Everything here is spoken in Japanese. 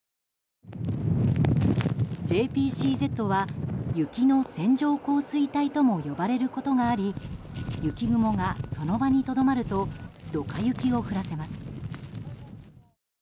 ＪＰＣＺは雪の線状降水帯とも呼ばれることがあり雪雲が、その場にとどまるとドカ雪を降らせます。